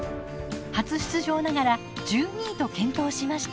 初出場ながら１２位と健闘しました。